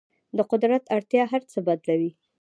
د قدرت اړتیا هر څه بدلوي.